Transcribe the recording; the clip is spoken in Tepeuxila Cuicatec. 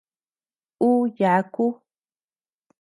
Ú yaku.